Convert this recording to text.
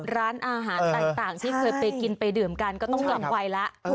ร้านอาหารต่างที่เคยไปกินไปดื่มกันก็ต้องกลับไวแล้ว